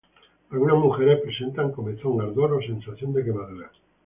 Algunas mujeres presentan comezón, ardor o sensación de quemadura.